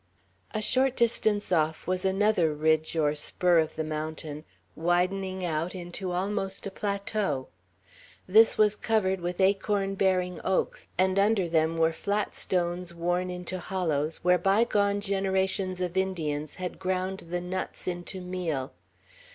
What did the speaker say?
A short distance off was another ridge or spur of the mountain, widening out into almost a plateau. This was covered with acorn bearing oaks; and under them were flat stones worn into hollows, where bygone generations of Indians had ground the nuts into meal.